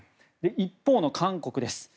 一方の韓国です。